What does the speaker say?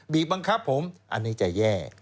บังคับผมอันนี้จะแย่